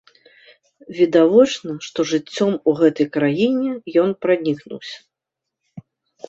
Відавочна, што жыццём у гэтай краіне ён пранікнуўся.